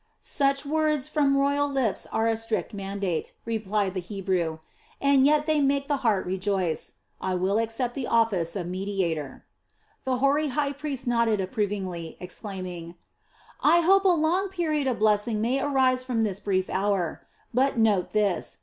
"Such words from royal lips are a strict mandate," replied the Hebrew. "And yet they make the heart rejoice. I will accept the office of mediator." The hoary high priest nodded approvingly, exclaiming: "I hope a long period of blessing may arise from this brief hour. But note this.